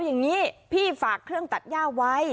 อย่างนี้พี่ฝากเครื่องตัดย่าไว้